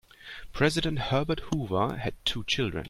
President Herbert Hoover had two children.